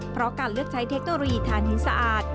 เพราะการเลือกใช้เทคโนโลยีทานหินสะอาด